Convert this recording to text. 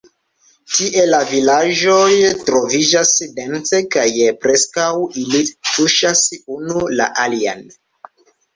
Tie la vilaĝoj troviĝas dense kaj preskaŭ ili tuŝas unu la alian.